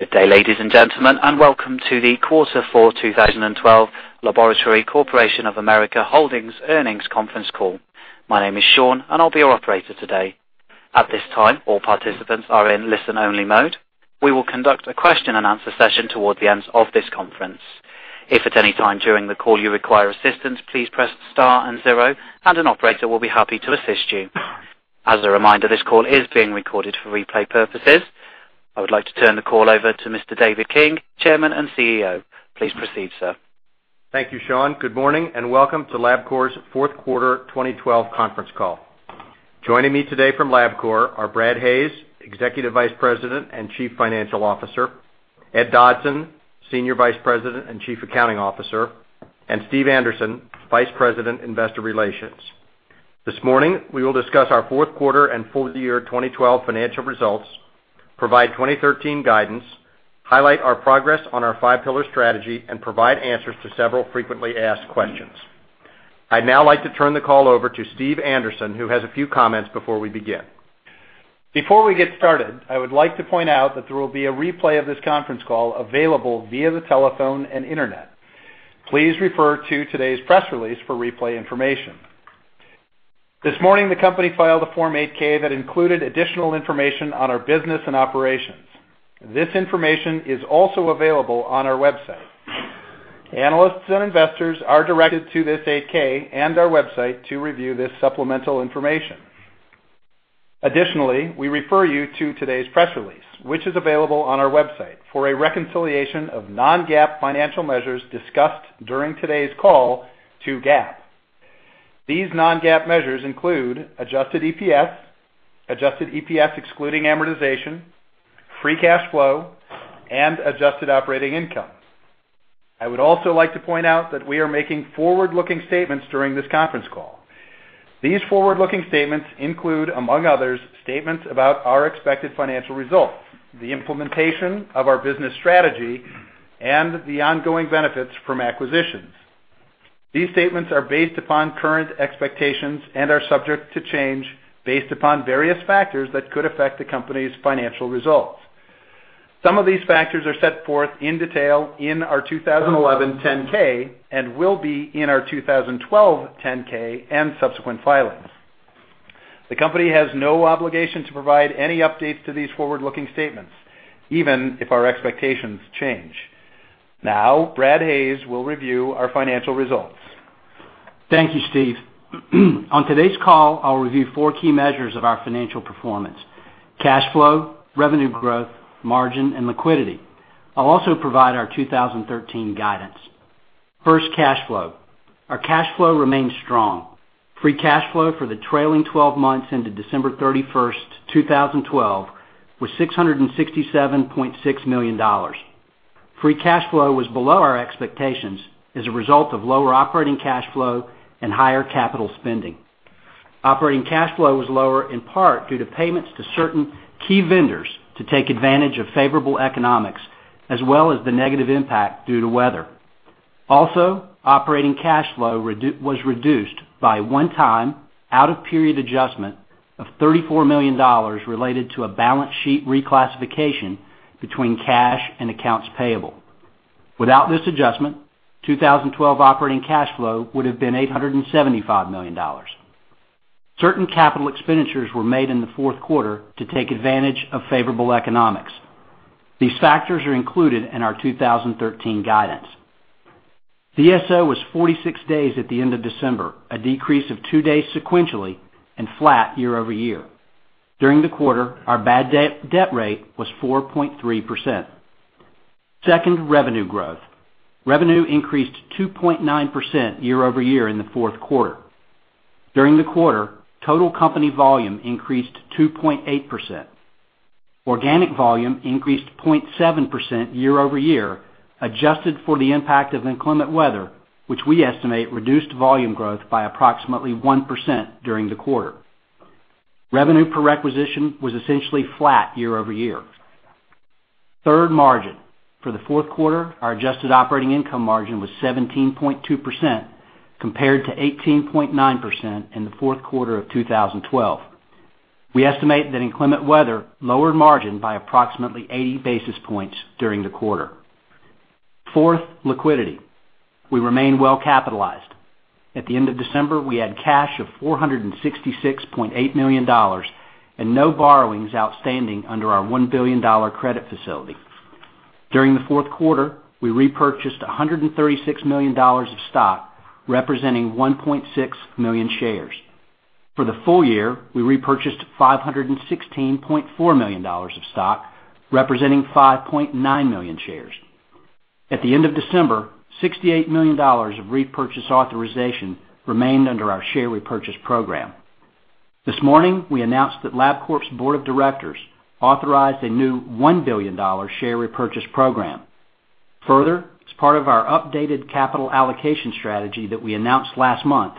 Good day, ladies and gentlemen, and welcome to the Quarter 4, 2012, Laboratory Corporation of America Holdings’ earnings conference call. My name is Sean, and I’ll be your operator today. At this time, all participants are in listen-only mode. We will conduct a question-and-answer session toward the end of this conference. If at any time during the call you require assistance, please press star and zero, and an operator will be happy to assist you. As a reminder, this call is being recorded for replay purposes. I would like to turn the call over to Mr. David King, Chairman and CEO. Please proceed, sir. Thank you, Sean. Good morning and welcome to Labcorp’s Fourth Quarter 2012 conference call. Joining me today from Labcorp are Brad Hayes, Executive Vice President and Chief Financial Officer; Ed Dodson, Senior Vice President and Chief Accounting Officer; and Steve Anderson, Vice President, Investor Relations. This morning, we will discuss our Fourth Quarter and full year 2012 financial results, provide 2013 guidance, highlight our progress on our five-pillar strategy, and provide answers to several frequently asked questions. I’d now like to turn the call over to Steve Anderson, who has a few comments before we begin. Before we get started, I would like to point out that there will be a replay of this conference call available via the telephone and internet. Please refer to today’s press release for replay information. This morning, the company filed a Form 8-K that included additional information on our business and operations. This information is also available on our website. Analysts and investors are directed to this 8-K and our website to review this supplemental information. Additionally, we refer you to today’s press release, which is available on our website, for a reconciliation of non-GAAP financial measures discussed during today’s call to GAAP. These non-GAAP measures include adjusted EPS, adjusted EPS excluding amortization, free cash flow, and adjusted operating income. I would also like to point out that we are making forward-looking statements during this conference call. These forward-looking statements include, among others, statements about our expected financial results, the implementation of our business strategy, and the ongoing benefits from acquisitions. These statements are based upon current expectations and are subject to change based upon various factors that could affect the company’s financial results. Some of these factors are set forth in detail in our 2011 10-K and will be in our 2012 10-K and subsequent filings. The company has no obligation to provide any updates to these forward-looking statements, even if our expectations change. Now, Brad Hayes will review our financial results. Thank you, Steve. On today’s call, I’ll review four key measures of our financial performance: cash flow, revenue growth, margin, and liquidity. I’ll also provide our 2013 guidance. First, cash flow. Our cash flow remains strong. Free cash flow for the trailing 12 months into December 31, 2012, was $667.6 million. Free cash flow was below our expectations as a result of lower operating cash flow and higher capital spending. Operating cash flow was lower in part due to payments to certain key vendors to take advantage of favorable economics, as well as the negative impact due to weather. Also, operating cash flow was reduced by one-time out-of-period adjustment of $34 million related to a balance sheet reclassification between cash and accounts payable. Without this adjustment, 2012 operating cash flow would have been $875 million. Certain capital expenditures were made in the fourth quarter to take advantage of favorable economics. These factors are included in our 2013 guidance. The DSO was 46 days at the end of December, a decrease of two days sequentially and flat year over year. During the quarter, our bad debt rate was 4.3%. Second, revenue growth. Revenue increased 2.9% year over year in the fourth quarter. During the quarter, total company volume increased 2.8%. Organic volume increased 0.7% year over year, adjusted for the impact of inclement weather, which we estimate reduced volume growth by approximately 1% during the quarter. Revenue per acquisition was essentially flat year over year. Third, margin. For the fourth quarter, our adjusted operating income margin was 17.2%, compared to 18.9% in the fourth quarter of 2012. We estimate that inclement weather lowered margin by approximately 80 basis points during the quarter. Fourth, liquidity. We remain well capitalized. At the end of December, we had cash of $466.8 million and no borrowings outstanding under our $1 billion credit facility. During the fourth quarter, we repurchased $136 million of stock, representing 1.6 million shares. For the full year, we repurchased $516.4 million of stock, representing 5.9 million shares. At the end of December, $68 million of repurchase authorization remained under our share repurchase program. This morning, we announced that Labcorp’s board of directors authorized a new $1 billion share repurchase program. Further, as part of our updated capital allocation strategy that we announced last month,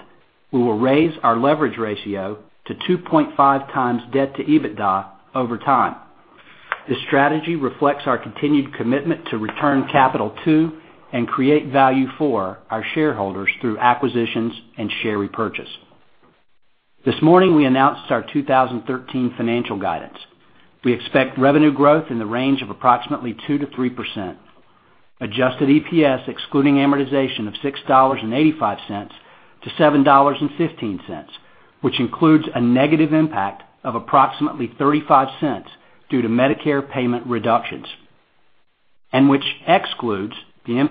we will raise our leverage ratio to 2.5× debt to EBITDA over time. This strategy reflects our continued commitment to return capital to and create value for our shareholders through acquisitions and share repurchase. This morning, we announced our 2013 financial guidance. We expect revenue growth in the range of approximately 2-3%. Adjusted EPS, excluding amortization, of $6.85-$7.15, which includes a negative impact of approximately $0.35 due to Medicare payment reduction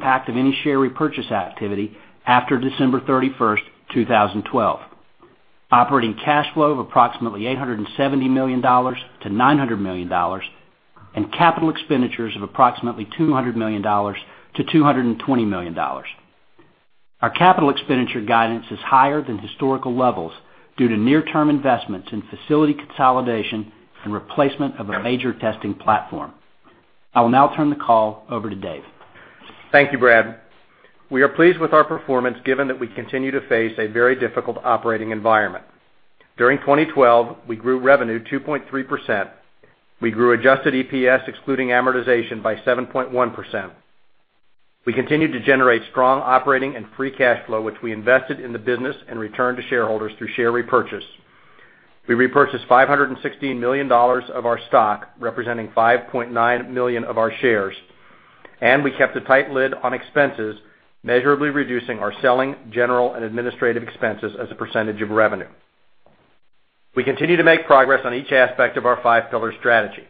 Thank you, Brad. We are pleased with our performance given that we continue to face a very difficult operating environment. During 2012, we grew revenue 2.3%. We grew adjusted EPS, excluding amortization, by 7.1%. We continued to generate strong operating and free cash flow, which we invested in the business and returned to shareholders through share repurchase. We repurchased $516 million of our stock, representing 5.9 million of our shares, and we kept a tight lid on expenses, measurably reducing our selling, general, and administrative expenses as a percentage of revenue. We continue to make progress on each aspect of our five-pillar strategy.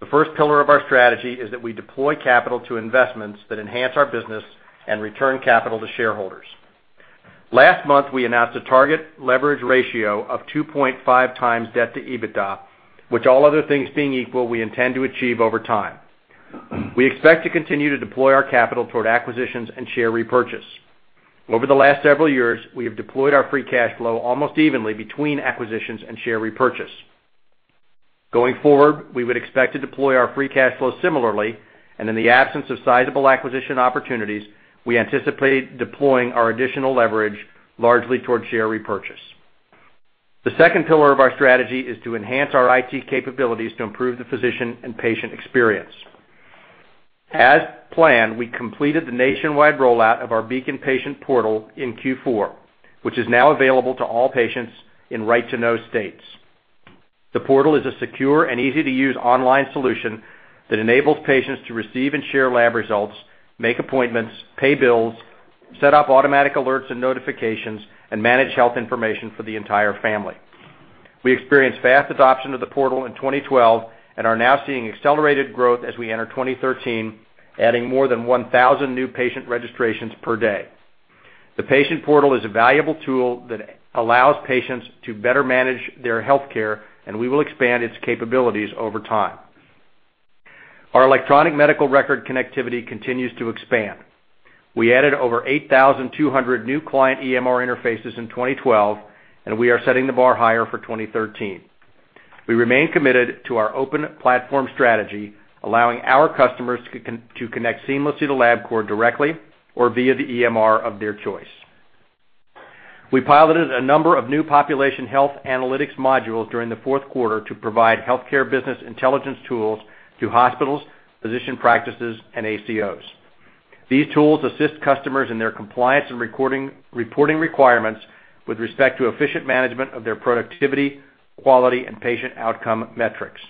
The first pillar of our strategy is that we deploy capital to investments that enhance our business and return capital to shareholders. Last month, we announced a target leverage ratio of 2.5× debt to EBITDA, which, all other things being equal, we intend to achieve over time. We expect to continue to deploy our capital toward acquisitions and share repurchase. Over the last several years, we have deployed our free cash flow almost evenly between acquisitions and share repurchase. Going forward, we would expect to deploy our free cash flow similarly, and in the absence of sizable acquisition opportunities, we anticipate deploying our additional leverage largely toward share repurchase. The second pillar of our strategy is to enhance our IT capabilities to improve the physician and patient experience. As planned, we completed the nationwide rollout of our Beacon Patient Portal in Q4, which is now available to all patients in right-to-know states. The portal is a secure and easy-to-use online solution that enables patients to receive and share lab results, make appointments, pay bills, set up automatic alerts and notifications, and manage health information for the entire family. We experienced fast adoption of the portal in 2012 and are now seeing accelerated growth as we enter 2013, adding more than 1,000 new patient registrations per day. The patient portal is a valuable tool that allows patients to better manage their healthcare, and we will expand its capabilities over time. Our electronic medical record (EMR) connectivity continues to expand. We added over 8,200 new client EMR interfaces in 2012, and we are setting the bar higher for 2013. We remain committed to our open platform strategy, allowing our customers to connect seamlessly to Labcorp directly or via the EMR of their choice. We piloted a number of new population health analytics modules during the fourth quarter to provide healthcare business intelligence tools to hospitals, physician practices, and ACOs. These tools assist customers in their compliance and reporting requirements with respect to efficient management of their productivity, quality, and patient outcome metrics.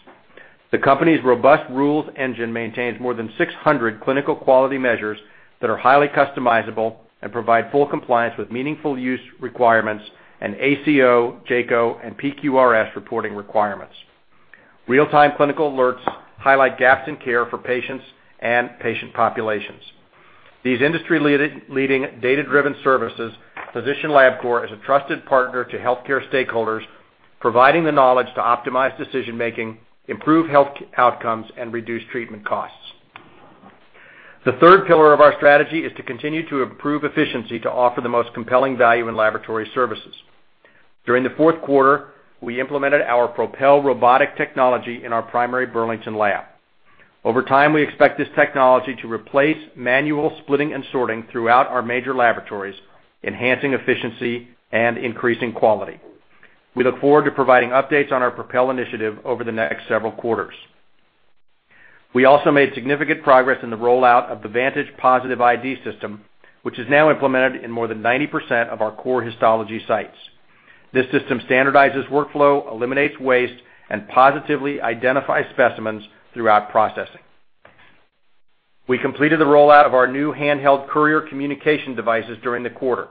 The company’s robust rules engine maintains more than 600 clinical quality measures that are highly customizable and provide full compliance with meaningful use requirements and ACO, JCO, and PQRS reporting requirements. Real-time clinical alerts help identify gaps in care for patients and patient populations. These industry-leading data-driven services position Labcorp as a trusted partner to healthcare stakeholders, providing the knowledge to optimize decision-making, improve health outcomes, and reduce treatment costs. The third pillar of our strategy is to continue to improve efficiency to offer the most compelling value in laboratory services. During the fourth quarter, we implemented our Propel robotic technology in our primary Burlington lab. Over time, we expect this technology to replace manual splitting and sorting throughout our major laboratories, enhancing efficiency and increasing quality. We look forward to providing updates on our Propel initiative over the next several quarters. We also made significant progress in the rollout of the Vantage Positive ID system, which is now implemented in more than 90% of our core histology sites. This system standardizes workflow, eliminates waste, and positively identifies specimens throughout processing. We completed the rollout of our new handheld courier communication devices during the quarter.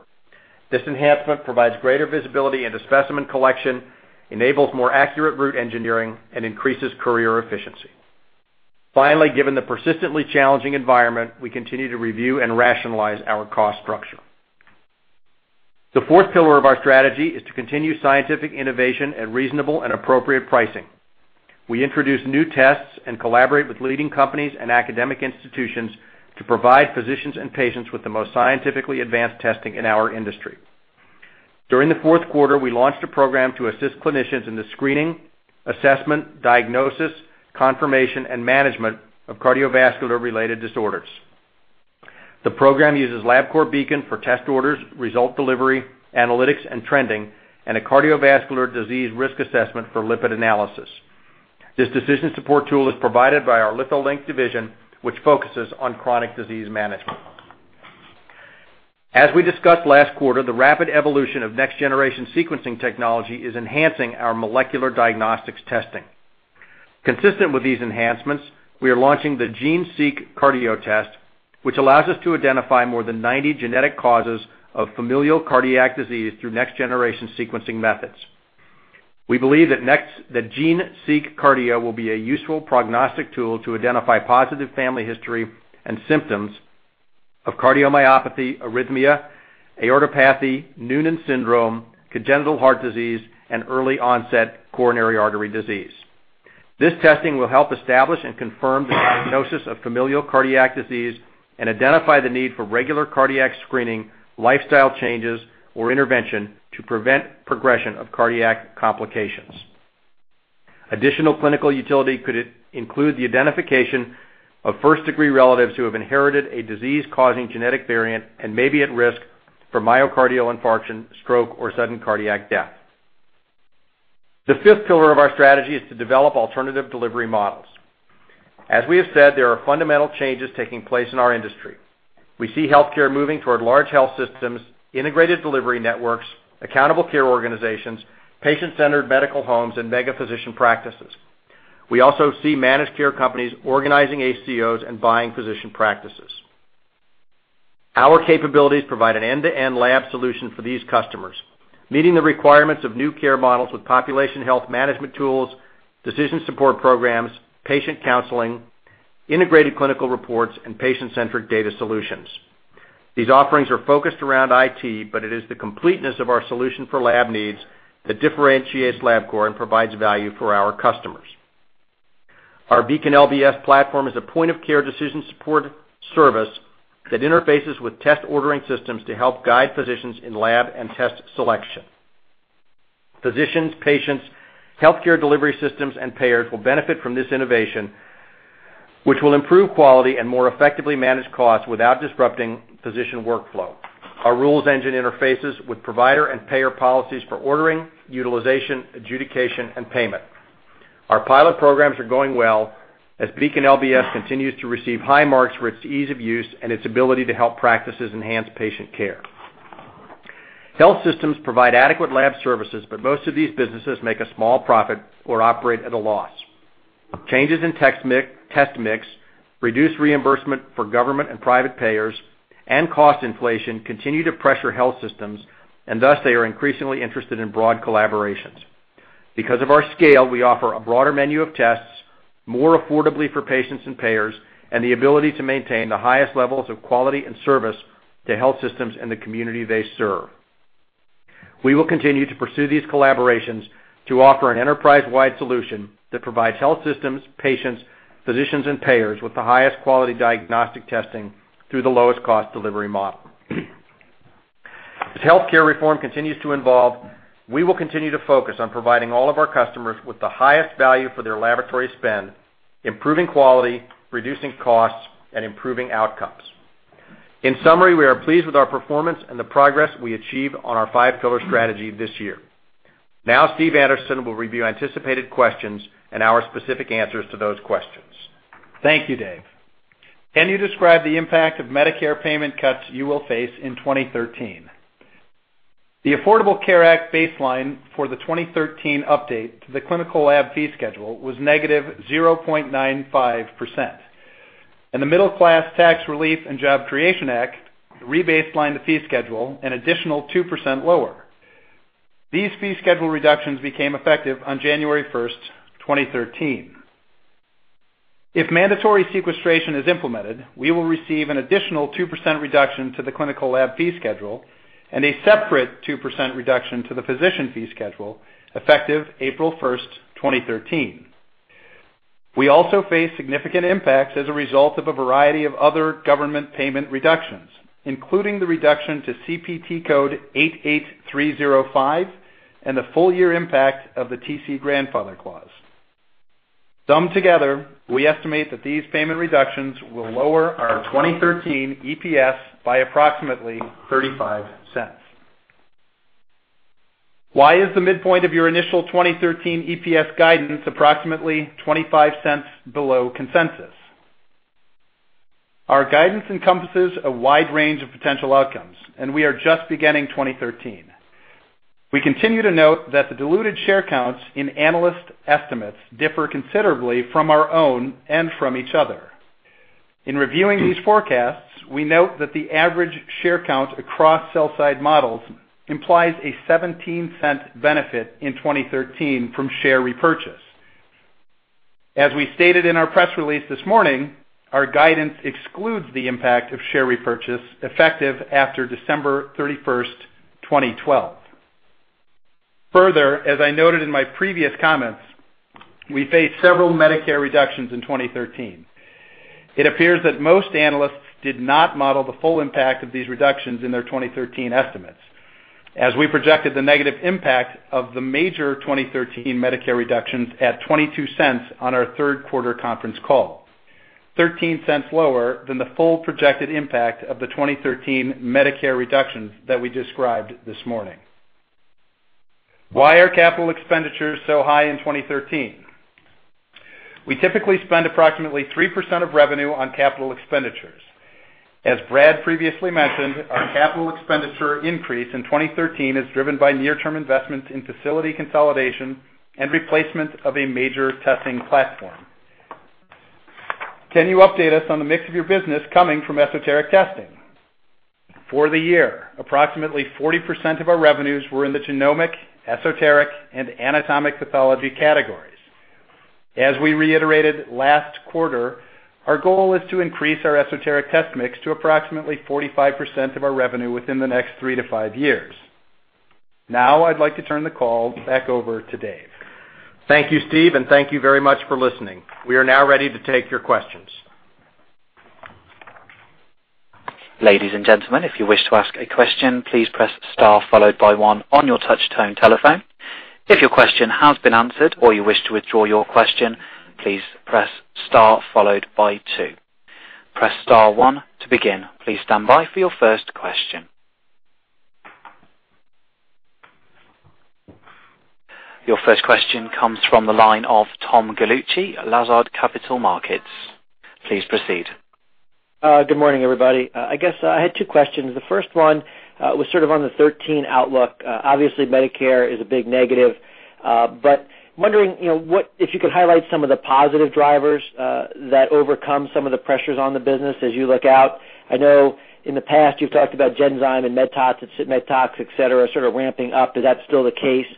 This enhancement provides greater visibility into specimen collection, enables more accurate route engineering, and increases courier efficiency. Finally, given the persistently challenging environment, we continue to review and rationalize our cost structure. The fourth pillar of our strategy is to continue scientific innovation at reasonable and appropriate pricing. We introduce new tests and collaborate with leading companies and academic institutions to provide physicians and patients with the most scientifically advanced testing in our industry. During the fourth quarter, we launched a program to assist clinicians in the screening, assessment, diagnosis, confirmation, and management of cardiovascular-related disorders. The program uses Labcorp Beacon for test orders, result delivery, analytics, trending, and a cardiovascular disease risk assessment for lipid analysis. This decision support tool is provided by our Litholink division, which focuses on chronic disease management. As we discussed last quarter, the rapid evolution of next-generation sequencing technology is enhancing our molecular diagnostics testing. Consistent with these enhancements, we are launching the GeneSeq CardioTest, which allows us to identify more than 90 genetic causes of familial cardiac disease through next-generation sequencing methods. We believe that GeneSeq Cardio will be a useful prognostic tool to identify positive family history and symptoms of cardiomyopathy, arrhythmia, aortopathy, Noonan syndrome, congenital heart disease, and early-onset coronary artery disease. This testing will help establish and confirm the diagnosis of familial cardiac disease and identify the need for regular cardiac screening, lifestyle changes, or intervention to prevent progression of cardiac complications. Additional clinical utility could include the identification of first-degree relatives who have inherited a disease-causing genetic variant and may be at risk for myocardial infarction, stroke, or sudden cardiac death. The fifth pillar of our strategy is to develop alternative delivery models. As we have said, there are fundamental changes taking place in our industry. We see healthcare moving toward large health systems, integrated delivery networks, accountable care organizations, patient-centered medical homes, and mega-physician practices. We also see managed care companies organizing ACOs and buying physician practices. Our capabilities provide an end-to-end lab solution for these customers, meeting the requirements of new care models with population health management tools, decision support programs, patient counseling, integrated clinical reports, and patient-centric data solutions. These offerings are focused around IT, but it is the completeness of our solution for lab needs that differentiates Labcorp and provides value for our customers. Our Beacon LBS platform is a point-of-care decision support service that interfaces with test ordering systems to help guide physicians in lab and test selection. Physicians, patients, healthcare delivery systems, and payers will benefit from this innovation, which will improve quality and more effectively manage costs without disrupting physician workflow. Our rules engine interfaces with provider and payer policies for ordering, utilization, adjudication, and payment. Our pilot programs are going well as Beacon LBS continues to receive high marks for its ease of use and its ability to help practices enhance patient care. Health systems provide adequate lab services, but most of these businesses make a small profit or operate at a loss. Changes in test mix, reduced reimbursement for government and private payers, and cost inflation continue to pressure health systems, and thus they are increasingly interested in broad collaborations. Because of our scale, we offer a broader menu of tests more affordably for patients and payers and the ability to maintain the highest levels of quality and service to health systems and the community they serve. We will continue to pursue these collaborations to offer an enterprise-wide solution that provides health systems, patients, physicians, and payers with the highest quality diagnostic testing through the lowest-cost delivery model. As healthcare reform continues to evolve, we will continue to focus on providing all of our customers with the highest value for their laboratory spend, improving quality, reducing costs, and improving outcomes. In summary, we are pleased with our performance and the progress we achieve on our five-pillar strategy this year. Now, Steve Anderson will review anticipated questions and our specific answers to those questions. Thank you, Dave. Can you describe the impact of Medicare payment cuts you will face in 2013? The Affordable Care Act baseline for the 2013 update to the clinical lab fee schedule was negative 0.95%. The Middle Class Tax Relief and Job Creation Act rebaselined the fee schedule an additional 2% lower. These fee schedule reductions became effective on January 1, 2013. If mandatory sequestration is implemented, we will receive an additional 2% reduction to the clinical lab fee schedule and a separate 2% reduction to the physician fee schedule effective April 1, 2013. We also face significant impacts as a result of a variety of other government payment reductions, including the reduction to CPT code 88305 and the full-year impact of the TC Grandfather Clause. Summed together, we estimate that these payment reductions will lower our 2013 EPS by approximately $0.35. Why is the midpoint of your initial 2013 EPS guidance approximately $0.25 below consensus? Our guidance encompasses a wide range of potential outcomes, and we are just beginning 2013. We continue to note that the diluted share counts in analyst estimates differ considerably from our own and from each other. In reviewing these forecasts, we note that the average share count across sell-side models implies a $0.17 benefit in 2013 from share repurchase. As we stated in our press release this morning, our guidance excludes the impact of share repurchase effective after December 31, 2012. Further, as I noted in my previous comments, we face several Medicare reductions in 2013. It appears that most analysts did not model the full impact of these reductions in their 2013 estimates, as we projected the negative impact of the major 2013 Medicare reductions at $0.22 on our third-quarter conference call, $0.13 lower than the full projected impact of the 2013 Medicare reductions that we described this morning. Why are capital expenditures so high in 2013? We typically spend approximately 3% of revenue on capital expenditures. As Brad previously mentioned, our capital expenditure increase in 2013 is driven by near-term investments in facility consolidation and replacement of a major testing platform. Can you update us on the mix of your business coming from esoteric testing? For the year, approximately 40% of our revenues were in the genomic, esoteric, and anatomic pathology categories. Ladies and gentlemen, if you wish to ask a question, please press star followed by one on your touch-tone telephone. If your question has been answered or you wish to withdraw your question, please press star followed by two. Press star one to begin. Please stand by for your first question. Your first question comes from the line of Tom Gallucci, Lazard Capital Markets. Please proceed. Good morning, everybody. I guess I had two questions. The first one was on the 2013 outlook. Obviously, Medicare is a big negative, but I’m wondering if you could highlight some of the positive drivers that overcome some of the pressures on the business as you look out. I know in the past you’ve talked about Genzyme and MedTox, etc., sort of ramping up. Is that still the case?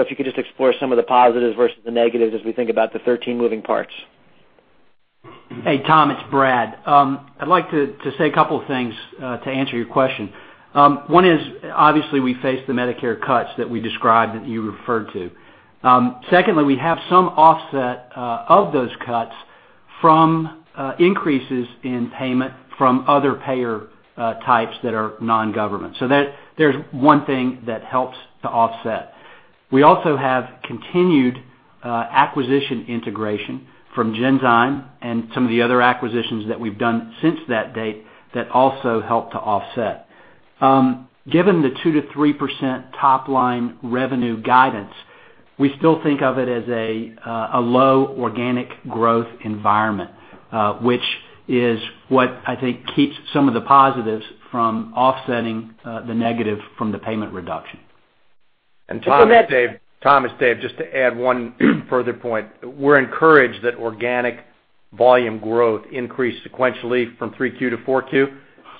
If you could explore some of the positives versus the negatives as we think about the 2013 moving parts. Good morning, everybody. I guess I had two questions. The first one was on the 2013 outlook. Obviously, Medicare is a big negative, but I’m wondering if you could highlight some of the positive drivers that overcome some of the pressures on the business as you look out. I know in the past you’ve talked about Genzyme and MedTox, etc., sort of ramping up. Is that still the case? If you could explore some of the positives versus the negatives as we think about the 2013 moving parts. Tom, it’s Dave. Just to add one further point, we’re encouraged that organic volume growth increased sequentially from 3Q to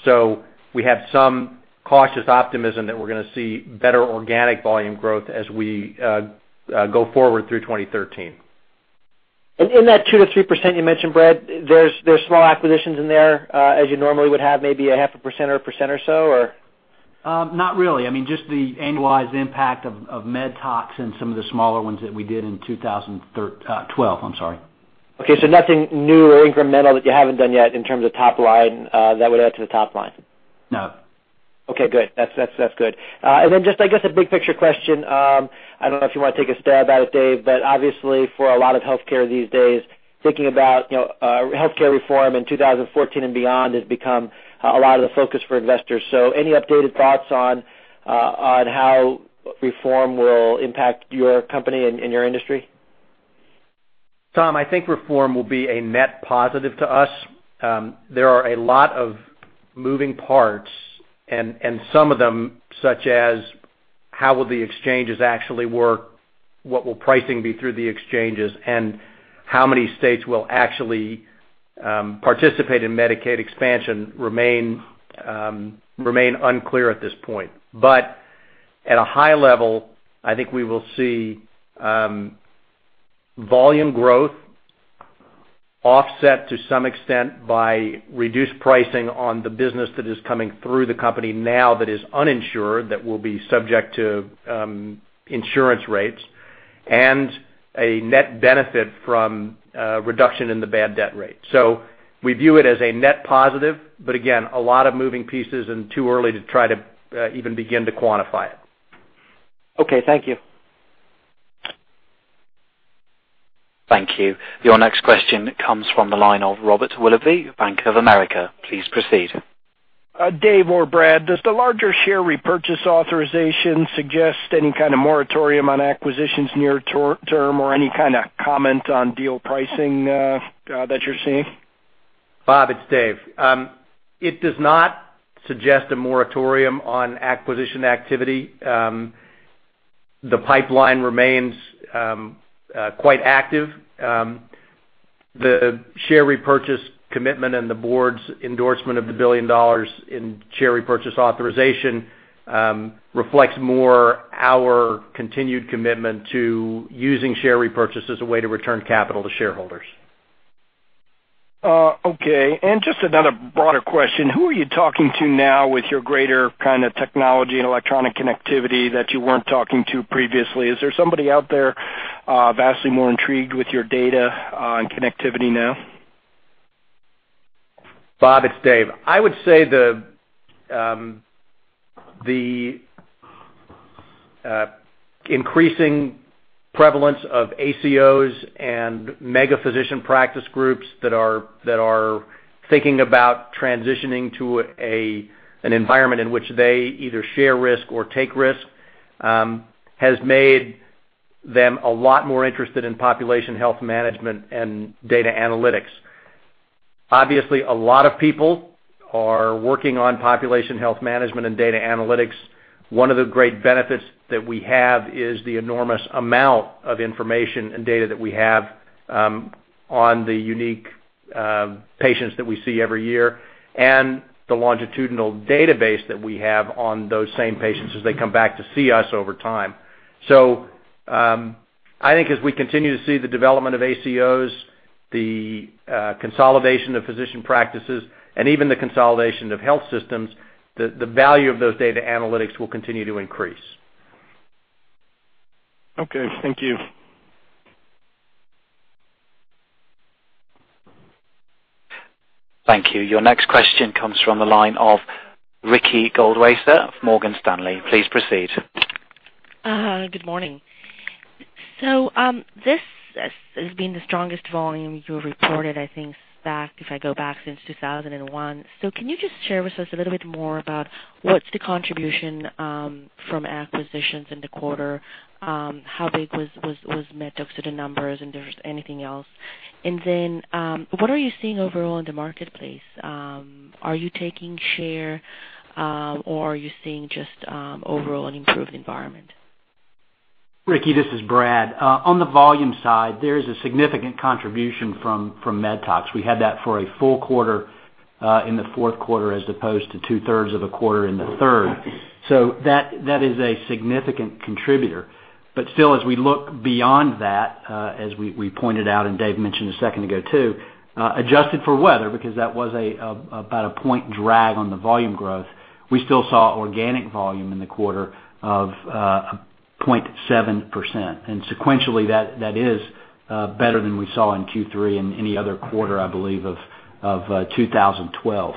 4Q. We have some cautious optimism that we’re going to see better organic volume growth as we go forward through 2013. In that 2–3% you mentioned, Brad, are there small acquisitions in there as you normally would have? Maybe half a percent or a percent or so, or? Not really. I mean, just the annualized impact of MedTox and some of the smaller ones that we did in 2012. I’m sorry. Okay. So nothing new or incremental that you haven’t done yet in terms of top-line that would add to the top line? No. Okay. Good. That’s good. And then just, I guess, a big-picture question. I don’t know if you want to take a stab at it, Dave, but obviously, for a lot of healthcare these days, thinking about healthcare reform in 2014 and beyond has become a major focus for investors. So any updated thoughts on how reform will impact your company and your industry? Tom, I think reform will be a net positive to us. There are a lot of moving parts, and some of them, such as how the exchanges will actually work, what pricing will be through the exchanges, and how many states will participate in Medicaid expansion, remain unclear at this point. At a high level, I think we will see volume growth offset to some extent by reduced pricing on the business coming through the company now that is uninsured, but will be subject to insurance rates, and a net benefit from a reduction in the bad-debt rate. We view it as a net positive, but again, there are a lot of moving pieces and it’s too early to begin to quantify it. Okay. Thank you. Thank you. Your next question comes from the line of Robert Willoughby, Bank of America. Please proceed. Dave or Brad, does the larger share repurchase authorization suggest any kind of moratorium on acquisitions near-term or any comment on deal pricing that you're seeing? Bob, it’s Dave. It does not suggest a moratorium on acquisition activity. The pipeline remains quite active. The share repurchase commitment and the board’s endorsement of the $1 billion share repurchase authorization reflect our continued commitment to using share repurchase as a way to return capital to shareholders. Okay. Just another broader question. Who are you talking to now with your greater level of technology and electronic connectivity that you were not talking to previously? Is there somebody out there more intrigued with your data and connectivity now? Bob, it is Dave. I would say the increasing prevalence of ACOs and mega-physician practice groups that are thinking about transitioning to an environment in which they either share risk or take risk has made them a lot more interested in population health management and data analytics. Obviously, a lot of people are working on population health management and data analytics. One of the great benefits that we have is the enormous amount of information and data that we have on the unique patients that we see every year and the longitudinal database that we have on those same patients as they come back to see us over time. I think as we continue to see the development of ACOs, the consolidation of physician practices, and even the consolidation of health systems, the value of those data analytics will continue to increase. Okay. Thank you. Thank you. Your next question comes from the line of Ricky Goldwasser of Morgan Stanley. Please proceed. Good morning. This has been the strongest volume you reported, I think, if I go back since 2001. Can you just share with us a little bit more about what the contribution from acquisitions in the quarter was? How big was MedTox to the numbers, and is there anything else? What are you seeing overall in the marketplace? Are you taking share, or are you seeing just an overall improved environment? Ricky, this is Brad. On the volume side, there is a significant contribution from MedTox. We had that for a full quarter in the fourth quarter as opposed to two-thirds of a quarter in the third. That is a significant contributor. As we look beyond that, as we pointed out, and Dave mentioned a second ago too, adjusted for weather, because that was about a point drag on the volume growth, we still saw organic volume in the quarter of 0.7%. Sequentially, that is better than we saw in Q3 and any other quarter, I believe, of 2012.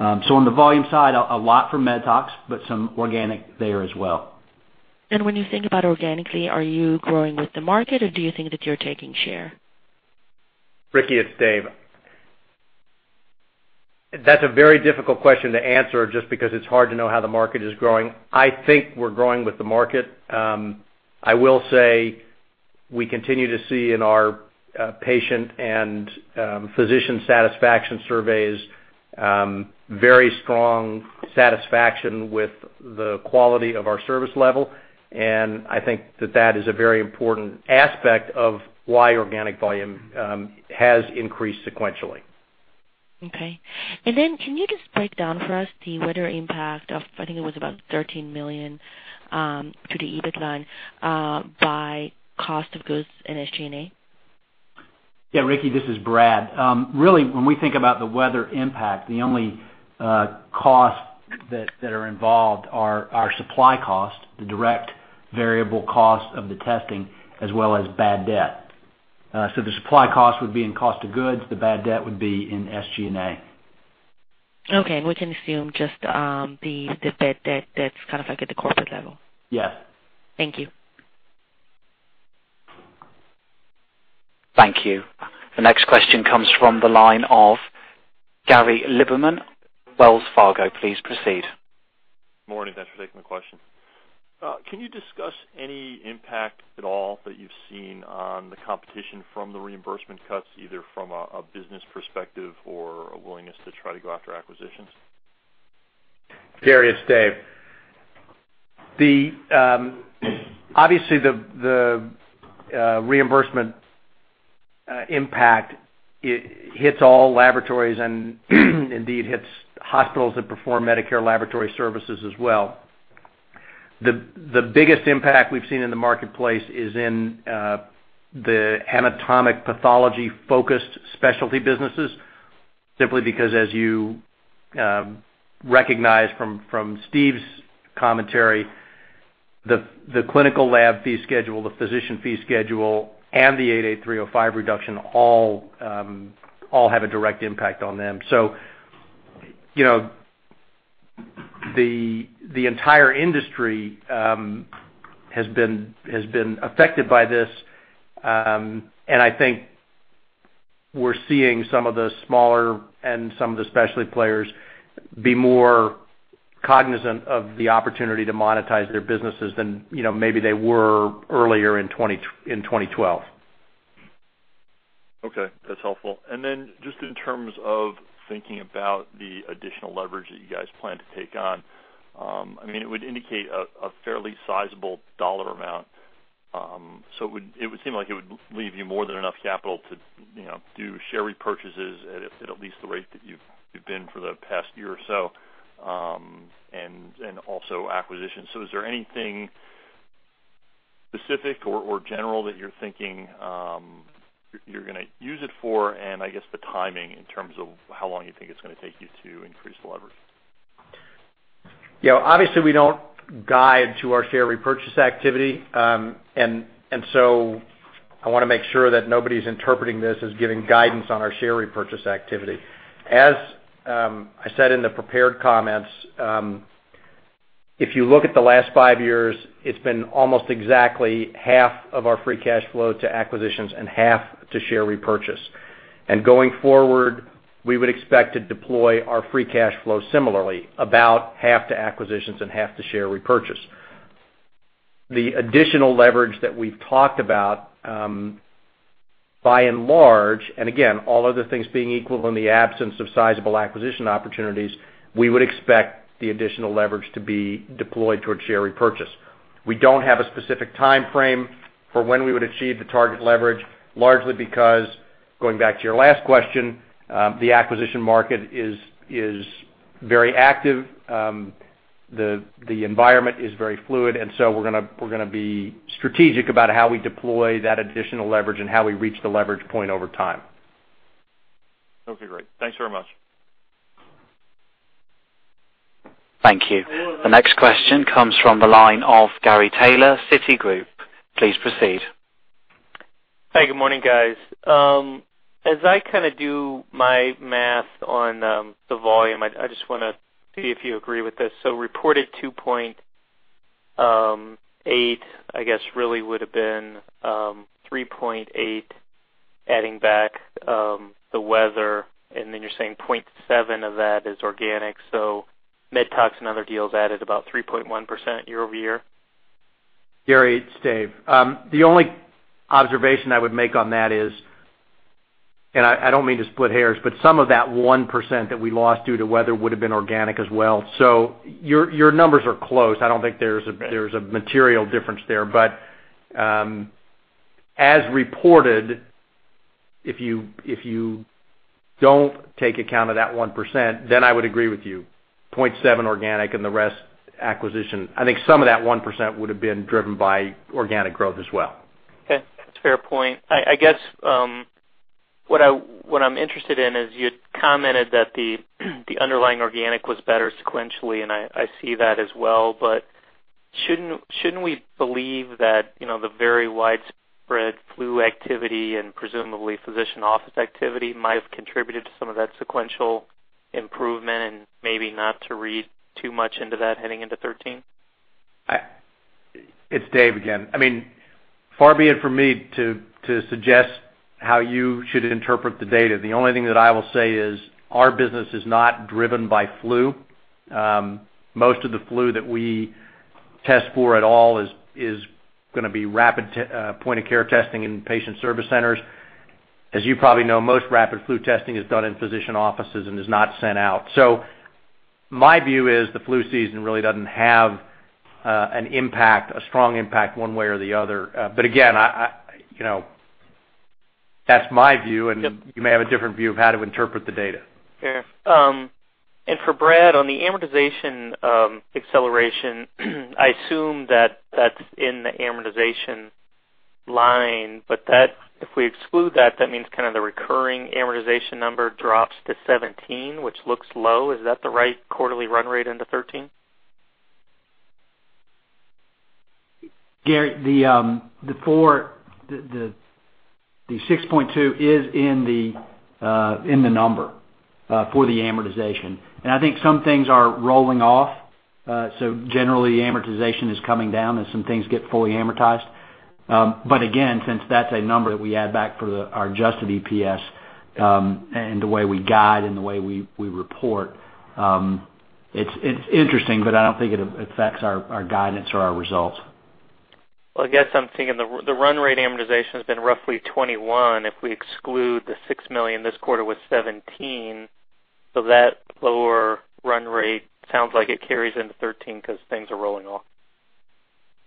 On the volume side, a lot for MedTox, but some organic there as well. When you think about organically, are you growing with the market, or do you think that you are taking share? Ricky, it’s Dave. That is a very difficult question to answer just because it’s hard to know how the market is growing. I think we are growing with the market. I will say we continue to see in our patient and physician satisfaction surveys very strong satisfaction with the quality of our service level. I think that is a very important aspect of why organic volume has increased sequentially. Okay. Can you just break down for us the weather impact? I think it was about $13 million to the EBIT line, by cost of goods and SG&A? Yeah. Ricky, this is Brad. Really, when we think about the weather impact, the only costs that are involved are our supply cost, the direct variable cost of the testing, as well as bad debt. The supply cost would be in cost of goods. The bad debt would be in SG&A. Okay. We can assume just the bad debt that kind of at the corporate level? Yes. Thank you. Thank you. The next question comes from the line of Gary Lieberman, Wells Fargo. Please proceed. Morning. Thanks for taking the question. Can you discuss any impact at all that you have seen on the competition from the reimbursement cuts, either from a business perspective or a willingness to try to go after acquisitions? Darius, Dave. Obviously, the reimbursement impact hits all laboratories and indeed hits hospitals that perform Medicare laboratory services as well. The biggest impact we’ve seen in the marketplace is in the anatomic pathology-focused specialty businesses, simply because, as you recognize from Steve’s commentary, the clinical lab fee schedule, the physician fee schedule, and the 88305 reduction all have a direct impact on them. The entire industry has been affected by this. I think we’re seeing some of the smaller and some of the specialty players be more cognizant of the opportunity to monetize their businesses than maybe they were earlier in 2012. Okay. That’s helpful. And then just in terms of thinking about the additional leverage that you guys plan to take on, I mean, it would indicate a fairly sizable dollar amount. It would seem like it would leave you more than enough capital to do share repurchases at at least the rate that you’ve been for the past year or so, and also acquisitions. Is there anything specific or general that you’re thinking you’re going to use it for? I guess the timing in terms of how long you think it’s going to take you to increase the leverage? Yeah. Obviously, we do not guide to our share repurchase activity. I want to make sure that nobody is interpreting this as giving guidance on our share repurchase activity. As I said in the prepared comments, if you look at the last five years, it has been almost exactly half of our free cash flow to acquisitions and half to share repurchase. Going forward, we would expect to deploy our free cash flow similarly, about half to acquisitions and half to share repurchase. The additional leverage that we have talked about, by and large, and again, all other things being equal in the absence of sizable acquisition opportunities, we would expect the additional leverage to be deployed towards share repurchase. We do not have a specific time frame for when we would achieve the target leverage, largely because, going back to your last question, the acquisition market is very active. The environment is very fluid. We are going to be strategic about how we deploy that additional leverage and how we reach the leverage point over time. Okay. Great. Thanks very much. Thank you. The next question comes from the line of Gary Taylor, Citigroup. Please proceed. Hey. Good morning, guys. As I kind of do my math on the volume, I just want to see if you agree with this. Reported 2.8, I guess, really would have been 3.8 adding back the weather. Then you’re saying 0.7 of that is organic. MedTox and other deals added about 3.1% year over year? Darius, Dave. The only observation I would make on that is, and I do not mean to split hairs, but some of that 1% that we lost due to weather would have been organic as well. Your numbers are close. I do not think there is a material difference there. As reported, if you do not take account of that 1%, then I would agree with you. 0.7% organic and the rest acquisition. I think some of that 1% would have been driven by organic growth as well. Okay. That’s a fair point. I guess what I’m interested in is you commented that the underlying organic was better sequentially, and I see that as well. Shouldn’t we believe that the very widespread flu activity and presumably physician office activity might have contributed to some of that sequential improvement and maybe not to read too much into that heading into 2013? It’s Dave again. I mean, far be it for me to suggest how you should interpret the data. The only thing that I will say is our business is not driven by flu. Most of the flu that we test for at all is going to be rapid point-of-care testing in patient service centers. As you probably know, most rapid flu testing is done in physician offices and is not sent out. My view is the flu season really does not have an impact, a strong impact one way or the other. Again, that’s my view, and you may have a different view of how to interpret the data. Sure. For Brad, on the amortization acceleration, I assume that is in the amortization line. If we exclude that, that means the recurring amortization number drops to 17, which looks low. Is that the right quarterly run rate into 2013? Gary, the 6.2 is in the number for the amortization line. I think some things are rolling off. Generally, amortization is coming down as some things get fully amortized. Again, since that’s a number that we add back for our adjusted EPS and the way we guide and the way we report, it’s interesting, but I don’t think it affects our guidance or our results. I guess I’m thinking the run-rate amortization has been roughly 21. If we exclude the $6 million, this quarter was 17. That lower run rate sounds like it carries into 2013 because things are rolling off.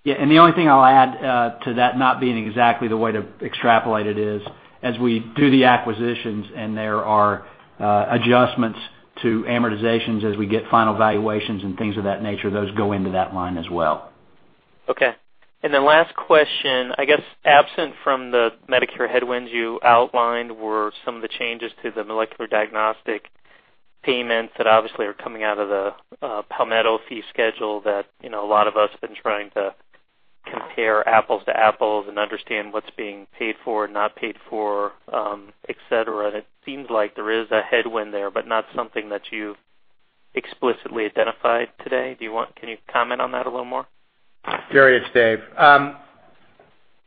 Yeah. The only thing I’d add to that not being exactly the way to extrapolate it is, as we do the acquisitions and there are adjustments to amortizations as we get final valuations and things of that nature, those go into that line as well. Okay. Then last question. I guess absent from the Medicare headwinds you outlined were some of the changes to the molecular diagnostic payments that obviously are coming out of the Palmetto fee schedule that a lot of us have been trying to compare apples to apples and understand what’s being paid for and not paid for, etc. It seems like there is a headwind there, but not something that you explicitly identified today. Can you comment on that a little more? Darius, Dave.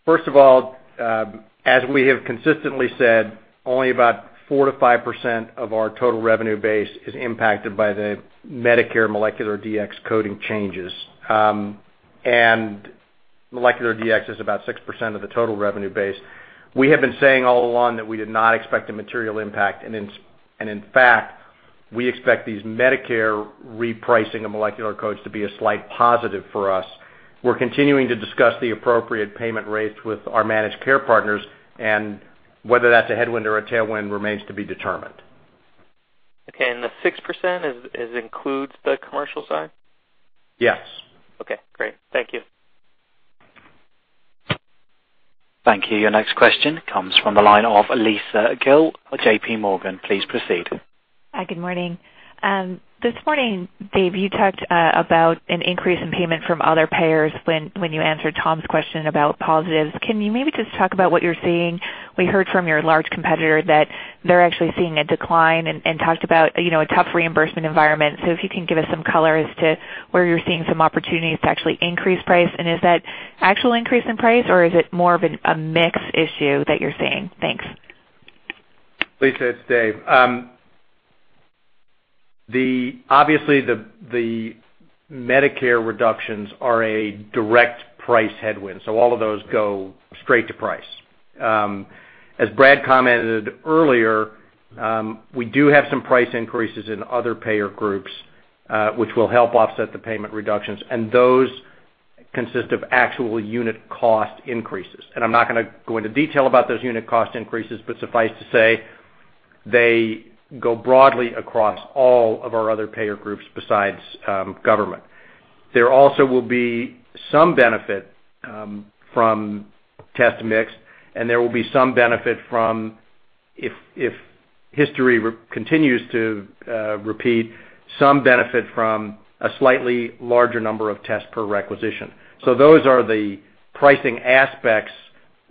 First of all, as we have consistently said, only about 4%–5% of our total revenue base is impacted by the Medicare molecular DX coding changes. And molecular DX is about 6% of the total revenue base. We have been saying all along that we did not expect a material impact. In fact, we expect these Medicare repricing of molecular codes to be a slight positive for us. We’re continuing to discuss the appropriate payment rates with our managed care partners, and whether that’s a headwind or a tailwind remains to be determined. Okay. The 6%, does it include the commercial side? Yes. Okay. Great. Thank you. Thank you. Your next question comes from the line of Lisa Gill, JP Morgan. Please proceed. Hi. Good morning. This morning, Dave, you talked about an increase in payment from other payers when you answered Tom’s question about positives. Can you maybe just talk about what you’re seeing? We heard from your large competitor that they’re actually seeing a decline and talked about a tough reimbursement environment. If you can give us some color as to where you’re seeing some opportunities to actually increase price. Is that actual increase in price, or is it more of a mix issue that you’re seeing? Thanks. Lisa, it’s Dave. Obviously, the Medicare reductions are a direct price headwind. All of those go straight to price. As Brad commented earlier, we do have some price increases in other payer groups, which will help offset the payment reductions. Those consist of actual unit cost increases. I’m not going to go into detail about those unit cost increases, but suffice to say they go broadly across all of our other payer groups besides government. There also will be some benefit from test mix, and there will be some benefit from, if history continues to repeat, some benefit from a slightly larger number of tests per requisition. Those are the pricing aspects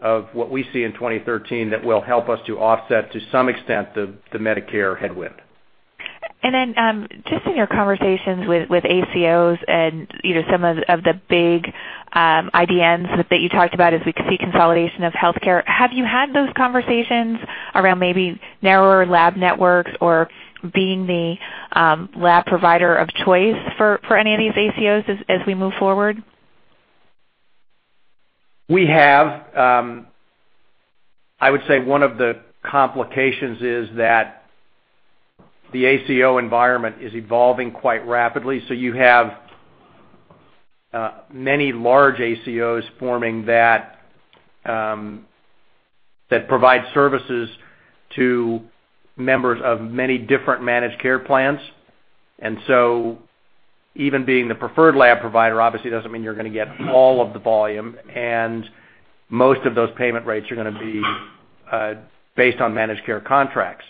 of what we see in 2013 that will help us to offset, to some extent, the Medicare headwind. Just in your conversations with ACOs and some of the big IDNs that you talked about as we could see consolidation of healthcare, have you had those conversations around maybe narrower lab networks or being the lab provider of choice for any of these ACOs as we move forward? We have. I would say one of the complications is that the ACO environment is evolving quite rapidly. You have many large ACOs forming that provide services to members of many different managed care plans. Even being the preferred lab provider, obviously, does not mean you are going to get all of the volume. Most of those payment rates are going to be based on managed care contracts.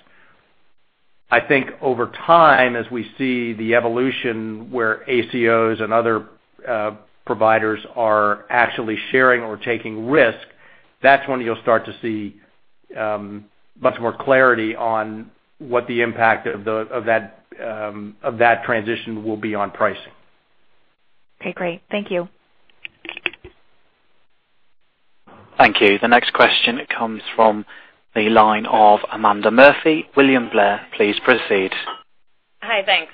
I think over time, as we see the evolution where ACOs and other providers are actually sharing or taking risk, that is when you will start to see much more clarity on what the impact of that transition will be on pricing. Okay. Great. Thank you. Thank you. The next question comes from the line of Amanda Murphy. William Blair, please proceed. Hi. Thanks.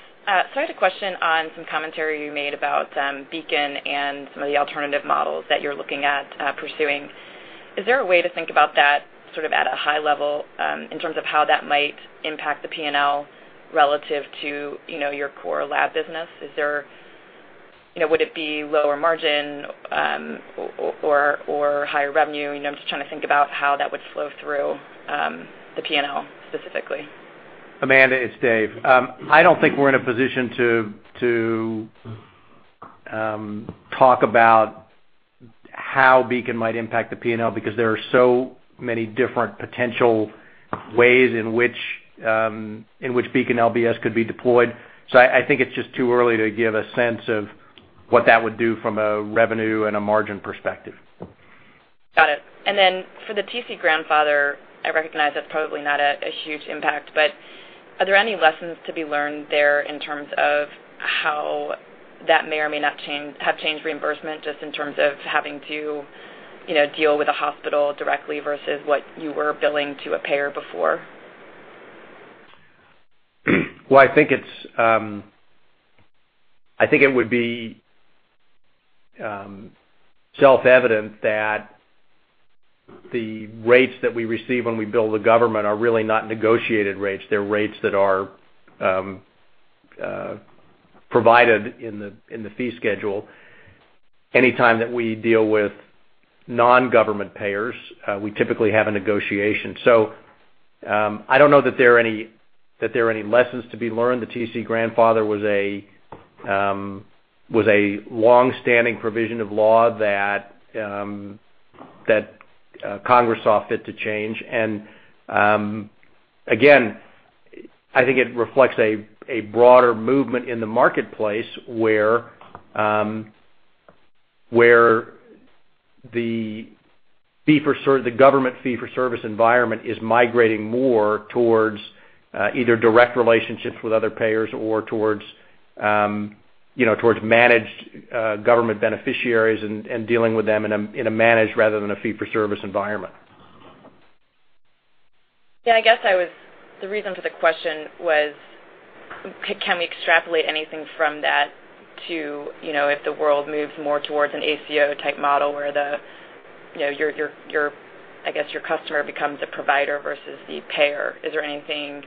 Sorry, a question on some commentary you made about Beacon and some of the alternative models that you’re looking at pursuing. Is there a way to think about that sort of at a high level in terms of how that might impact the P&L relative to your core lab business? Would it be lower margin or higher revenue? I’m just trying to think about how that would flow through the P&L specifically. Amanda, it’s Dave. I don’t think we’re in a position to talk about how Beacon might impact the P&L because there are so many different potential ways in which Beacon LBS could be deployed. I think it’s just too early to give a sense of what that would do from a revenue and a margin perspective. Got it. For the TC Grandfather, I recognize that’s probably not a huge impact. Are there any lessons to be learned there in terms of how that may or may not have changed reimbursement just in terms of having to deal with a hospital directly versus what you were billing to a payer before? I think it would be self-evident that the rates that we receive when we bill the government are really not negotiated rates. They’re rates that are provided in the fee schedule. Anytime that we deal with non-government payers, we typically have a negotiation. I don’t know that there are necessarily any lessons to be learned. The TC Grandfather was a long-standing provision of law that Congress saw fit to change. Again, I think it reflects a broader movement in the marketplace where the government fee-for-service environment is migrating more towards either direct relationships with other payers or towards managed government beneficiaries and dealing with them in a managed rather than a fee-for-service environment. Yeah. I guess the reason for the question was, can we extrapolate anything from that if the world moves more toward an ACO-type model where your, I guess, your customer becomes a provider versus the payer? Is there anything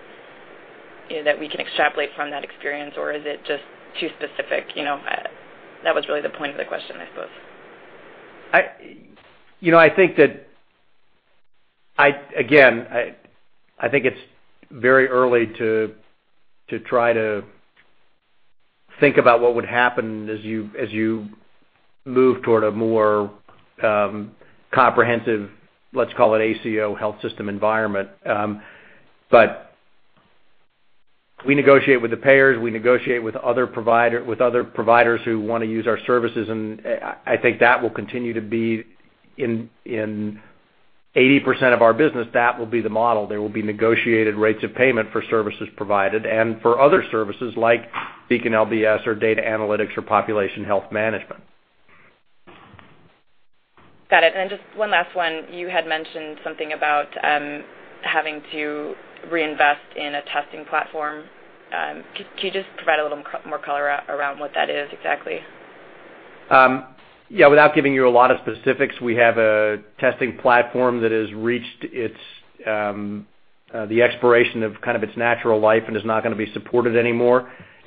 that we can extrapolate from that experience, or is it just too specific? That was really the point of the question, I suppose. I think that, again, I think it’s very early to try to think about what would happen as you move toward a more comprehensive, let’s call it ACO health system environment. We negotiate with the payers. We negotiate with other providers who want to use our services. I think that will continue to be, in 80% of our business, that will be the model. There will be negotiated rates of payment for services provided and for other services like Beacon LBS or data analytics or population health management. Got it. And then just one last one. You had mentioned something about having to reinvest in a testing platform. Can you just provide a little more color around what that is exactly? Yeah. Without giving you a lot of specifics, we have a testing platform that has reached the expiration of its natural life and is not going to be supported anymore.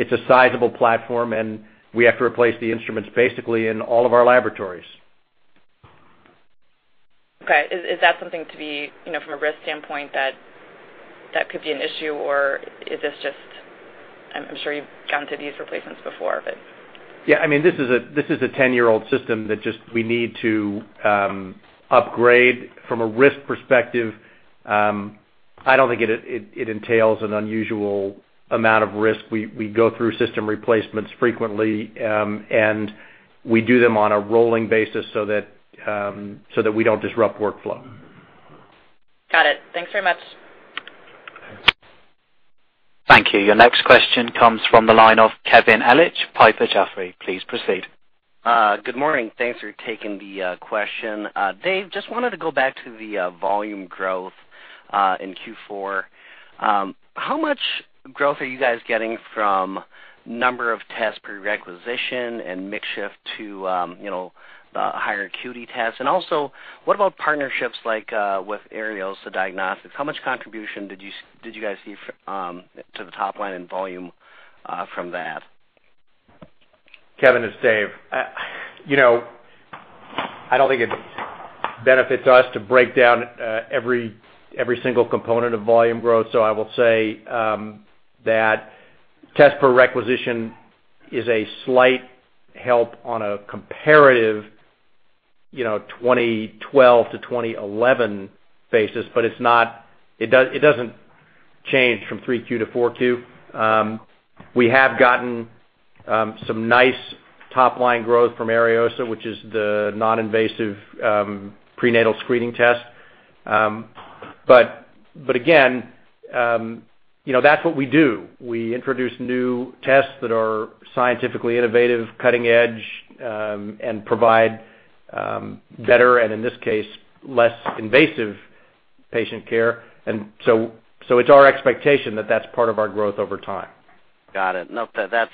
It’s a sizable platform, and we have to replace the instruments basically in all of our laboratories. Okay. Is that something to be, from a risk standpoint, that could be an issue, or is this just, I'm sure you've gone through these replacements before, but. Yeah. I mean, this is a 10-year-old system that we need to upgrade from a risk perspective. I don’t think it entails an unusual amount of risk. We go through system replacements frequently, and we do them on a rolling basis so that we don’t disrupt workflow. Got it. Thanks very much. Thank you. Your next question comes from the line of Kevin Ellich, Piper Jaffray. Please proceed. Good morning. Thanks for taking the question. Dave, I just wanted to go back to the volume growth in Q4. How much growth are you guys getting from number of tests per requisition and mix shift to the higher-acuity tests? Also, what about partnerships like with Ariosa Diagnostics? How much contribution did you guys see to the top line in volume from that? Kevin, it’s Dave. I don’t think it benefits us to break down every single component of volume growth. I will say that test per requisition is a slight help on a comparative 2012 to 2011 basis, but it doesn’t change from 3Q to 4Q. We have gotten some nice top line growth from Ariosa, which is the non-invasive prenatal screening test. That is what we do. We introduce new tests that are scientifically innovative, cutting edge, and provide better, and in this case, less invasive patient care. It is our expectation that that is part of our growth over time. Got it. No, that’s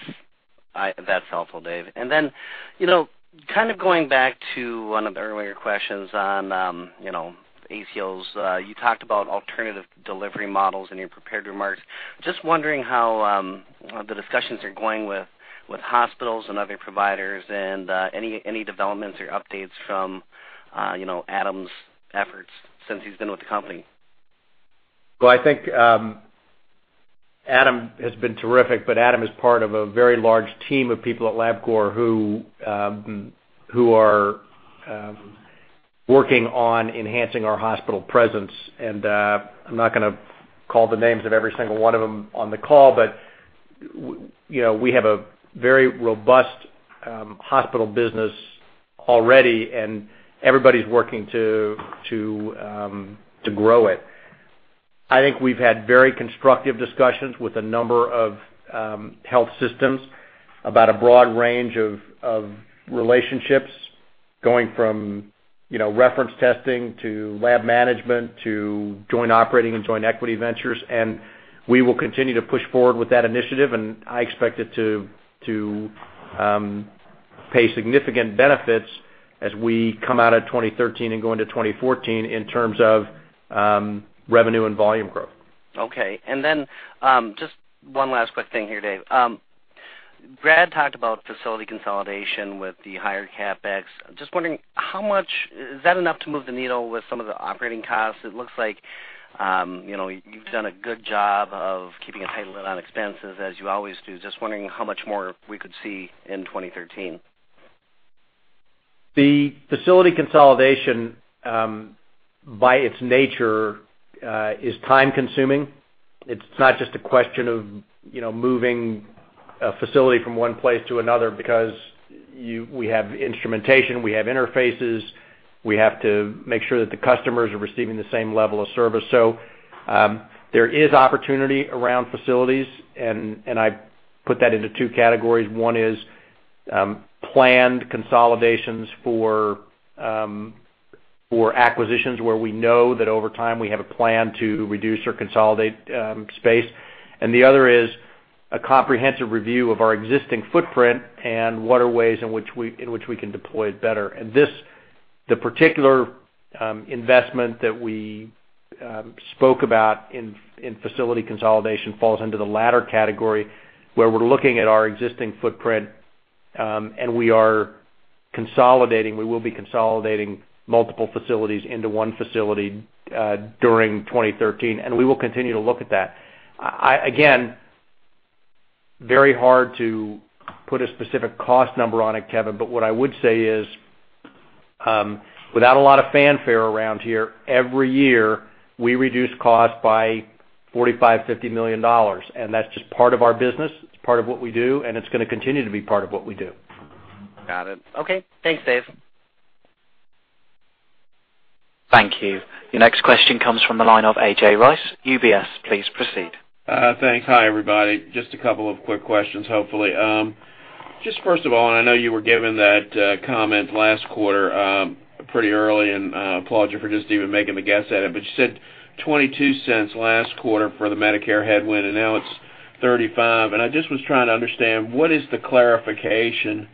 helpful, Dave. Then kind of going back to one of the earlier questions on ACOs, you talked about alternative delivery models in your prepared remarks. Just wondering how the discussions are going with hospitals and other providers and any developments or updates from Adam’s efforts since he’s been with the company. I think Adam has been terrific, but Adam is part of a very large team of people at Labcorp who are working on enhancing our hospital presence. I’m not going to call the names of every single one of them on the call, but we have a very robust hospital business already, and everybody is working to grow it. I think we’ve had very constructive discussions with a number of health systems about a broad range of relationships going from reference testing to lab management to joint operating and joint equity ventures. We will continue to push forward with that initiative, and I expect it to pay significant benefits as we come out of 2013 and go into 2014 in terms of revenue and volume growth. Okay. And then just one last quick thing here, Dave. Brad talked about facility consolidation with the higher CapEx. Just wondering, is that enough to move the needle with some of the operating costs? It looks like you’ve done a good job of keeping a tight lid on expenses, as you always do. Just wondering how much more we could see in 2013. The facility consolidation, by its nature, is time-consuming. It’s not just a question of moving a facility from one place to another because we have instrumentation, we have interfaces, we have to make sure that the customers are receiving the same level of service. There is opportunity around facilities, and I put that into two categories. One is planned consolidations for acquisitions where we know that over time we have a plan to reduce or consolidate space. The other is a comprehensive review of our existing footprint and what are ways in which we can deploy it better. The particular investment that we spoke about in facility consolidation falls into the latter category where we’re looking at our existing footprint, and we are consolidating. We will be consolidating multiple facilities into one facility during 2013, and we will continue to look at that. Again, very hard to put a specific cost number on it, Kevin, but what I would say is, without a lot of fanfare around here, every year we reduce costs by $45 million–$50 million. That’s just part of our business. It’s part of what we do, and it’s going to continue to be part of what we do. Got it. Okay. Thanks, Dave. Thank you. Your next question comes from the line of AJ Rice, UBS. please proceed. Thanks. Hi, everybody. Just a couple of quick questions, hopefully. Just first of all, and I know you were given that comment last quarter pretty early, and I applaud you for just even making the guess at it, but you said $0.22 last quarter for the Medicare headwind, and now it’s $0.35. I just was trying to understand what is the clarification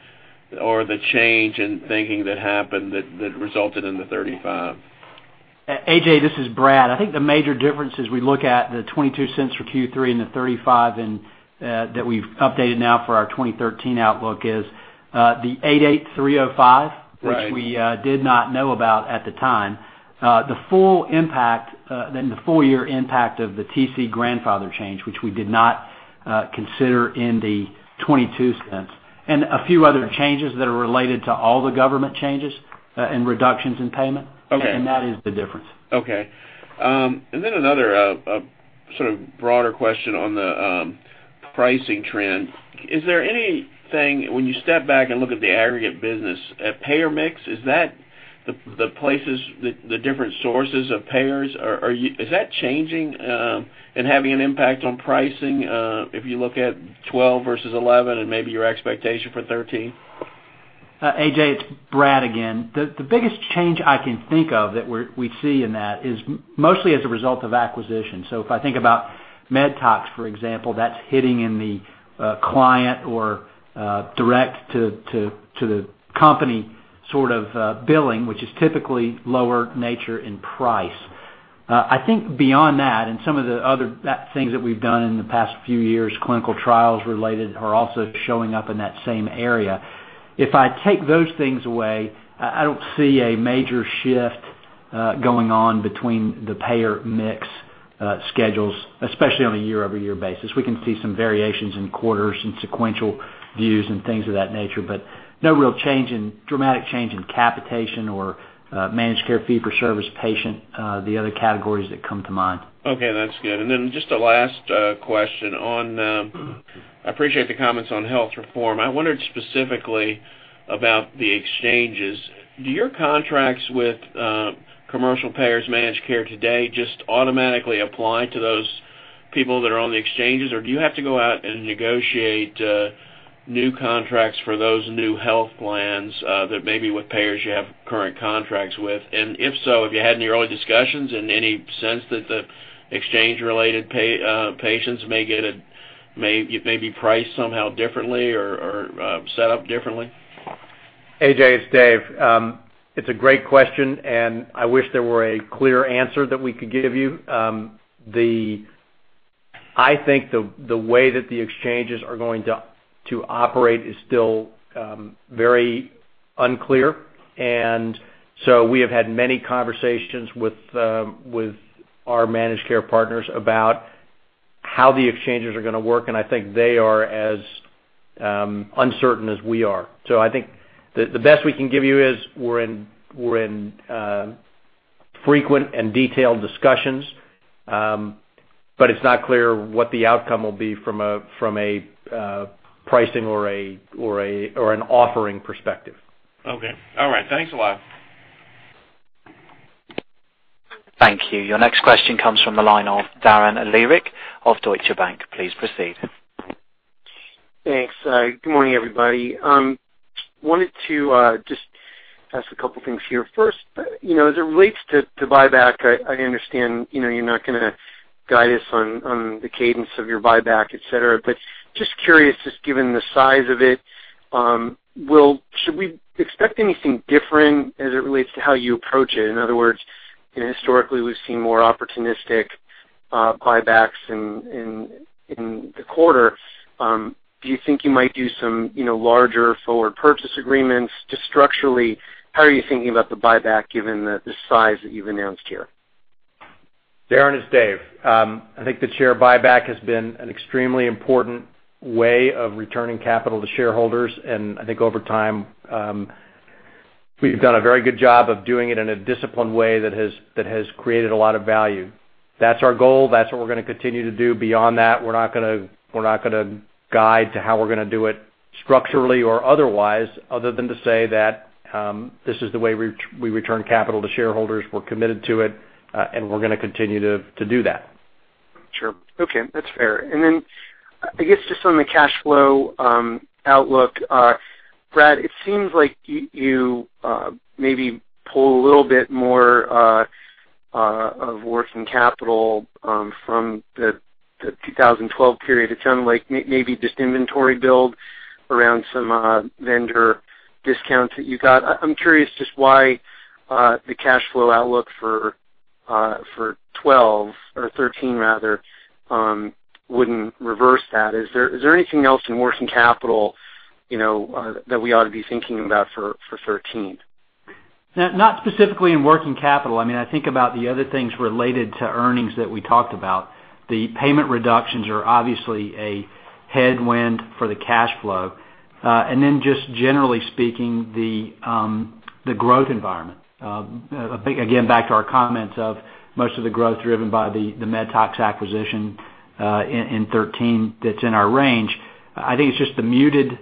or the change in thinking that happened that resulted in the $0.35? AJ, this is Brad. I think the major difference as we look at the $0.22 for Q3 and the $0.35 that we’ve updated now for our 2013 outlook is the 88305, which we did not know about at the time. The full impact, the full-year impact of the TC Grandfather change, which we did not consider in the $0.22, and a few other changes that are related to all the government changes and reductions in payment. That is the difference. Okay. And then another sort of broader question on the pricing trend. Is there anything, when you step back and look at the aggregate business, a payer mix, that is the places, the different sources of payers, is that changing and having an impact on pricing if you look at 2012 versus 2011 and maybe your expectation for 2013? AJ, it’s Brad again. The biggest change I can think of that we see in that is mostly as a result of acquisition. If I think about MedTox, for example, that’s hitting in the client or direct to the company sort of billing, which is typically lower nature in price. I think beyond that, and some of the other things that we’ve done in the past few years, clinical trials related are also showing up in that same area. If I take those things away, I don’t see a major shift going on between the payer mix schedules, especially on a year-over-year basis. We can see some variations in quarters and sequential views and things of that nature, but no real change in dramatic change in capitation or managed care fee-for-service patient, the other categories that come to mind. Okay. That’s good. Then just a last question. I appreciate the comments on health reform. I wondered specifically about the exchanges. Do your contracts with commercial payers, managed care today, just automatically apply to those people that are on the exchanges, or do you have to go out and negotiate new contracts for those new health plans that maybe with payers you have current contracts with? If so, have you had any early discussions in any sense that the exchange-related patients may be priced somehow differently or set up differently? AJ, it’s Dave. It’s a great question, and I wish there were a clear answer that we could give you. I think the way that the exchanges are going to operate is still very unclear. We have had many conversations with our managed care partners about how the exchanges are going to work, and I think they are as uncertain as we are. I think the best we can give you is we’re in frequent and detailed discussions, but it’s not clear what the outcome will be from a pricing or an offering perspective. Okay. All right. Thanks a lot. Thank you. Your next question comes from the line of Darren Aleric of Deutsche Bank. Please proceed. Thanks. Good morning, everybody. I wanted to just ask a couple of things here. First, as it relates to buyback, I understand you’re not going to guide us on the cadence of your buyback, etc., but just curious, just given the size of it, should we expect anything different as it relates to how you approach it? In other words, historically, we’ve seen more opportunistic buybacks in the quarter. Do you think you might do some larger forward purchase agreements? Just structurally, how are you thinking about the buyback given the size that you’ve announced here? Darren, it’s Dave. I think the share buyback has been an extremely important way of returning capital to shareholders. I think over time, we’ve done a very good job of doing it in a disciplined way that has created a lot of value. That’s our goal. That’s what we’re going to continue to do. Beyond that, we’re not going to guide to how we’re going to do it structurally or otherwise, other than to say that this is the way we return capital to shareholders. We’re committed to it, and we’re going to continue to do that. Sure. Okay. That’s fair. I guess just on the cash flow outlook, Brad, it seems like you maybe pulled a little bit more of working capital from the 2012 period. It sounded like maybe just inventory build around some vendor discounts that you got. I’m curious just why the cash flow outlook for 2012 or 2013, rather, wouldn’t reverse that. Is there anything else in working capital that we ought to be thinking about for 2013? Not specifically in working capital. I mean, I think about the other things related to earnings that we talked about. The payment reductions are obviously a headwind for the cash flow. Just generally speaking, the growth environment. Again, back to our comments of most of the growth driven by the MedTox acquisition in 2013 that’s in our range. I think it’s just the muted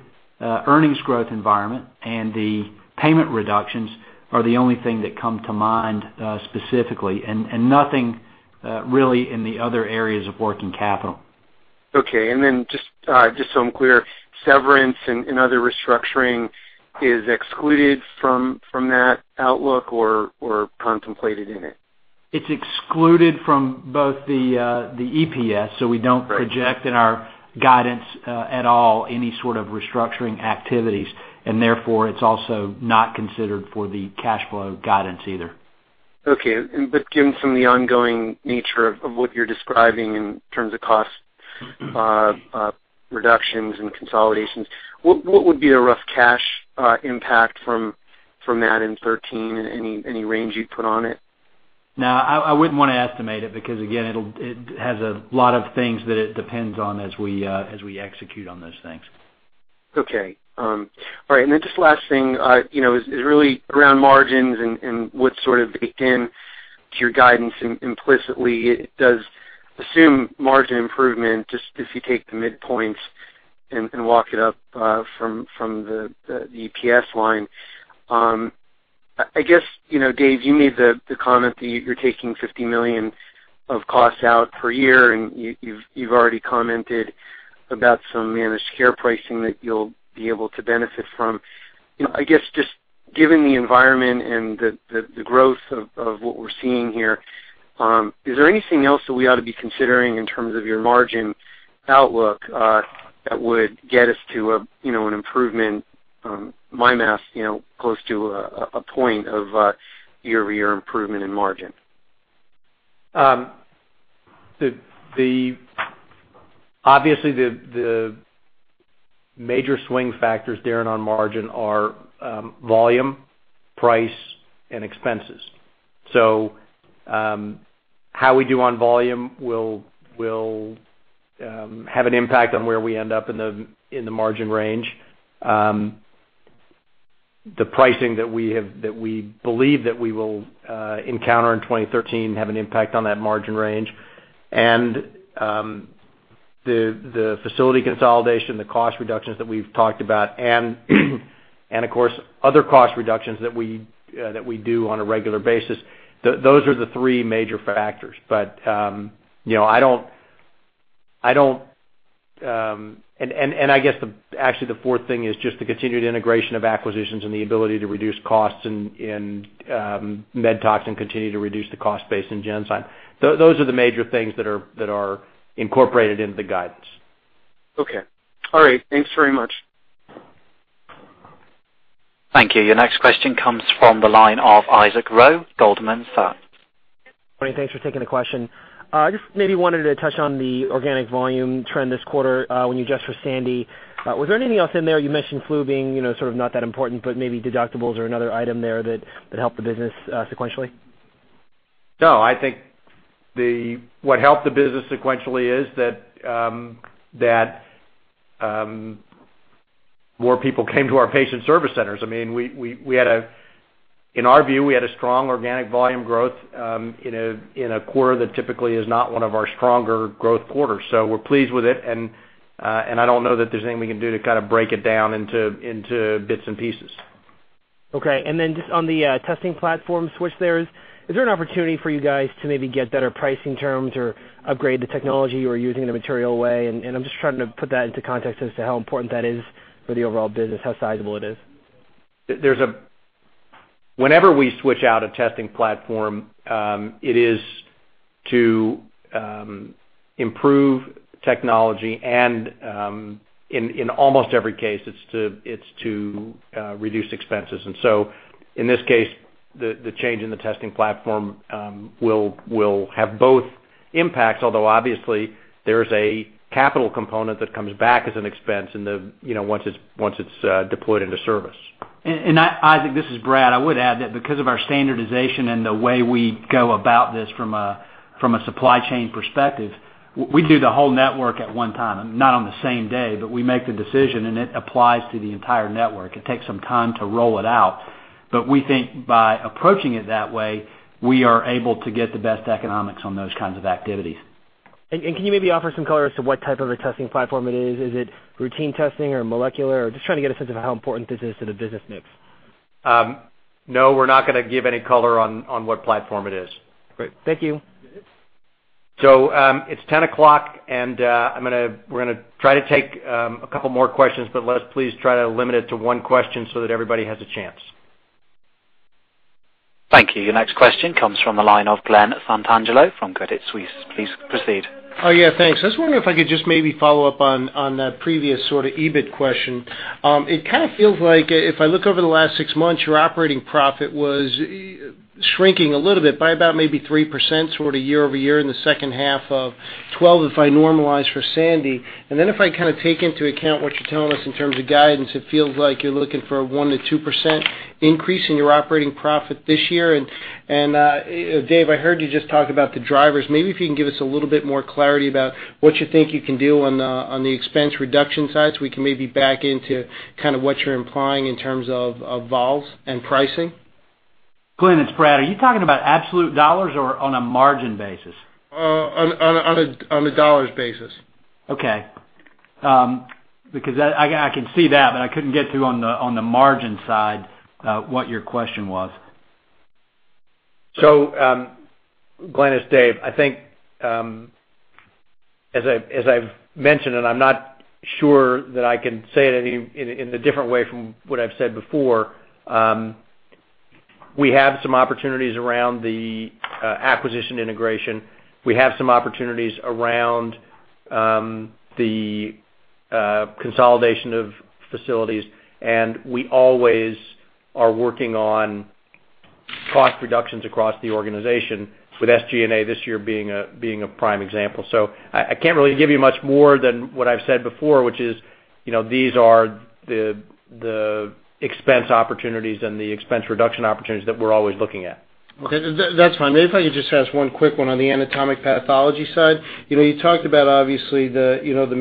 earnings growth environment and the payment reductions are the only thing that come to mind specifically, and nothing really in the other areas of working capital. Okay. And then just so I'm clear, severance and other restructuring is excluded from that outlook or contemplated in it? It's excluded from both the EPS, so we don't project in our guidance at all any sort of restructuring activities. Therefore, it's also not considered for the cash flow guidance either. Okay. Given some of the ongoing nature of what you're describing in terms of cost reductions and consolidations, what would be a rough cash impact from that in 2013 and any range you'd put on it? Now, I wouldn't want to estimate it because, again, it has a lot of things that it depends on as we execute on those things. Okay. All right. Then just last thing is really around margins and what’s sort of baked into your guidance implicitly. It does assume margin improvement just if you take the midpoint and walk it up from the EPS line. I guess, Dave, you made the comment that you’re taking $50 million of costs out per year, and you’ve already commented about some managed care pricing that you’ll be able to benefit from. I guess just given the environment and the growth of what we’re seeing here, is there anything else that we ought to be considering in terms of your margin outlook that would get us to an improvement—my math, close to a point of year-over-year improvement in margin? Okay. All right. Then just last thing is really around margins and what’s sort of baked into your guidance implicitly. It does assume margin improvement just if you take the midpoint and walk it up from the EPS line. I guess, Dave, you made the comment that you’re taking $50 million of costs out per year, and you’ve already commented about some managed care pricing that you’ll be able to benefit from. I guess just given the environment and the growth of what we’re seeing here, is there anything else that we ought to be considering in terms of your margin outlook that would get us to an improvement, my math, close to a point of year-over-year improvement in margin? Okay. All right. Thanks very much. Thank you. Your next question comes from the line of Isaac Rowe, Goldman Sachs. Please proceed. Thanks for taking the question. Just maybe wanted to touch on the organic volume trend this quarter when you just heard Sandy. Was there anything else in there? You mentioned flu being sort of not that important, but maybe deductibles are another item there that helped the business sequentially. No. I think what helped the business sequentially is that more people came to our patient service centers. I mean, in our view, we had a strong organic volume growth in a quarter that typically is not one of our stronger growth quarters. So we’re pleased with it, and I don’t know that there’s anything we can do to kind of break it down into bits and pieces. Okay. Just on the testing platform switch there, is there an opportunity for you guys to maybe get better pricing terms or upgrade the technology you’re using in a material way? I’m just trying to put that into context as to how important that is for the overall business, how sizable it is. Whenever we switch out a testing platform, it is to improve technology, and in almost every case, it’s to reduce expenses. In this case, the change in the testing platform will have both impacts, although obviously there is a capital component that comes back as an expense once it’s deployed into service. Isaac, this is Brad. I would add that because of our standardization and the way we go about this from a supply chain perspective, we do the whole network at one time. Not on the same day, but we make the decision, and it applies to the entire network. It takes some time to roll it out. We think by approaching it that way, we are able to get the best economics on those kinds of activities. Can you maybe offer some color as to what type of a testing platform it is? Is it routine testing or molecular? Just trying to get a sense of how important this is to the business mix. No, we're not going to give any color on what platform it is. Great. Thank you. It's 10:00, and we're going to try to take a couple more questions, but let's please try to limit it to one question so that everybody has a chance. Thank you. Your next question comes from the line of Glen Santangelo from Credit Suisse. Please proceed. Oh, yeah. Thanks. I was wondering if I could just maybe follow up on that previous sort of EBIT question. It kind of feels like if I look over the last six months, your operating profit was shrinking a little bit by about maybe 3% sort of year-over-year in the second half of 2012 if I normalize for Sandy. Glenn, it's Brad. Are you talking about absolute dollars or on a margin basis? On a dollars basis. Okay. Because I can see that, but I could not get to on the margin side what your question was. So Glenn, it is Dave. I think as I have mentioned, and I am not sure that I can say it in a different way from what I have said before, we have some opportunities around the acquisition integration. We have some opportunities around the consolidation of facilities, and we always are working on cost reductions across the organization with SG&A this year being a prime example. I cannot really give you much more than what I have said before, which is these are the expense opportunities and the expense reduction opportunities that we are always looking at. That’s fine. Maybe if I could just ask one quick one on the anatomic pathology side. You talked about obviously the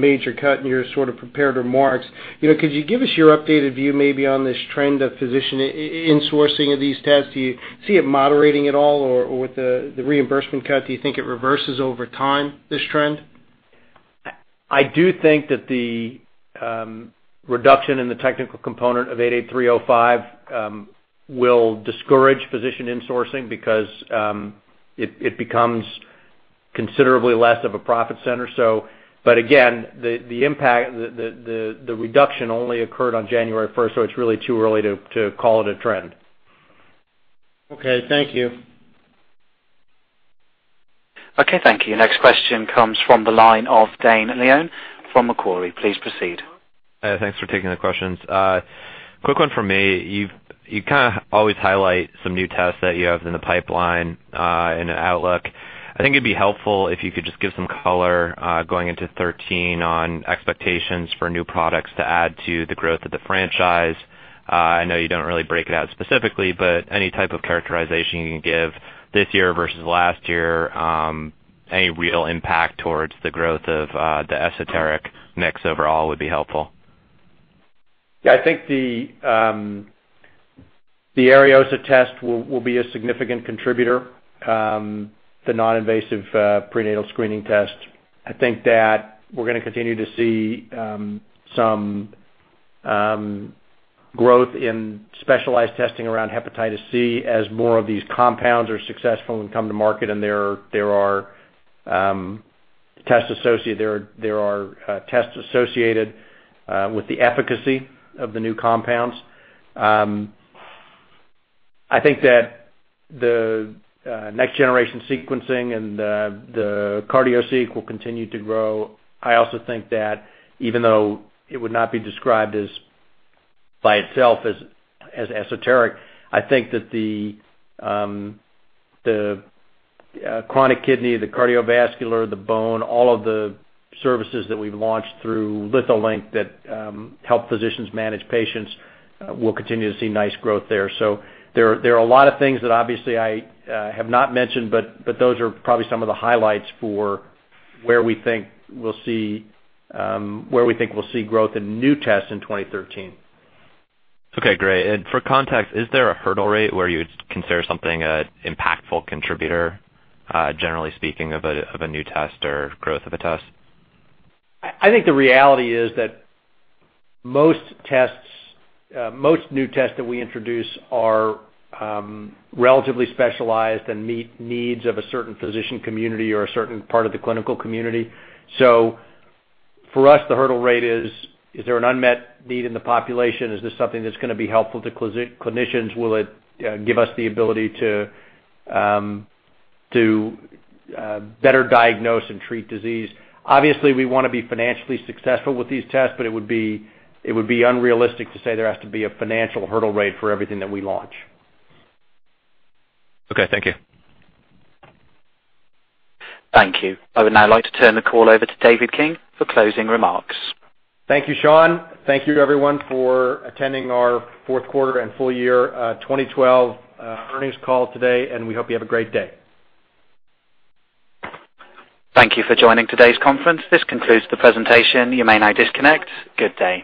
major cut in your sort of prepared remarks. Could you give us your updated view maybe on this trend of physician insourcing of these tests? Do you see it moderating at all? Or with the reimbursement cut, do you think it reverses over time this trend? I do think that the reduction in the technical component of 88305 will discourage physician insourcing because it becomes considerably less of a profit center. Again, the reduction only occurred on January 1st, so it's really too early to call it a trend. Okay. Thank you. Okay. Thank you. Your next question comes from the line of Dane Leon from Macquarie. Please proceed. Thanks for taking the questions. Quick one for me. You kind of always highlight some new tests that you have in the pipeline and outlook. I think it’d be helpful if you could just give some color going into 2013 on expectations for new products to add to the growth of the franchise. I know you don’t really break it out specifically, but any type of characterization you can give this year versus last year, any real impact towards the growth of the esoteric mix overall would be helpful. Yeah. I think the Ariosa test will be a significant contributor, the non-invasive prenatal screening test. I think that we're going to continue to see some growth in specialized testing around hepatitis C as more of these compounds are successful and come to market, and there are tests associated with the efficacy of the new compounds. I think that the next-generation sequencing and the GeneSeq CardioTest will continue to grow. I also think that even though it would not be described by itself as esoteric, I think that the chronic kidney, the cardiovascular, the bone, all of the services that we've launched through Litholink that help physicians manage patients will continue to see nice growth there. There are a lot of things that obviously I have not mentioned, but those are probably some of the highlights for where we think we'll see growth in new tests in 2013. Okay. Great. For context, is there a hurdle rate where you would consider something an impactful contributor, generally speaking, of a new test or growth of a test? I think the reality is that most new tests that we introduce are relatively specialized and meet needs of a certain physician community or a certain part of the clinical community. For us, the hurdle rate is, is there an unmet need in the population? Is this something that's going to be helpful to clinicians? Will it give us the ability to better diagnose and treat disease? Obviously, we want to be financially successful with these tests, but it would be unrealistic to say there has to be a financial hurdle rate for everything that we launch. Okay. Thank you. Thank you. I would now like to turn the call over to David King for closing remarks. Thank you, Sean. Thank you, everyone, for attending our fourth quarter and full year 2012 earnings call today, and we hope you have a great day. Thank you for joining today's conference. This concludes the presentation. You may now disconnect. Good day.